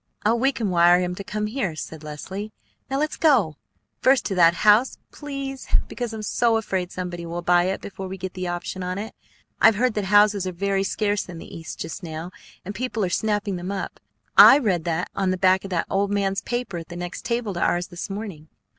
"Oh, we can wire him to come here," said Leslie. "Now, let's go! First to that house, please, because I'm so afraid somebody will buy it before we get the option on it. I've heard that houses are very scarce in the East just now, and people are snapping them up. I read that on the back of that old man's paper at the next table to ours this morning."